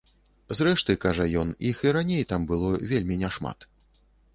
Зрэшты, кажа ён, іх і раней там было вельмі не шмат.